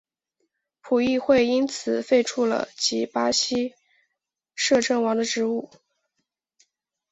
葡议会因此废黜了其巴西摄政王的职务。